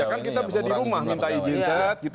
ya kan kita bisa di rumah minta izin